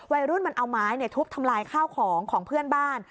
วัยรุ่นมันเอาไม้ทุบทำลายข้าวของของเพื่อนบ้าน